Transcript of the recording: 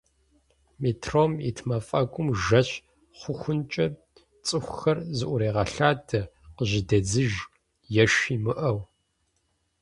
Метром ит мафӏэгум жэщ хъухункӏэ цӏыхухэр зыӏурегъэлъадэ къыжьэдедзыж, еш имыӏэу.